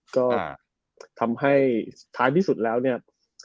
ก็ทำให้ท้ายที่สุดแล้วเนี่ย